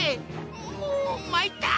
もうまいった！